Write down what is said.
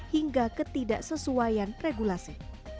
hingga ketidaksesuaian regulasi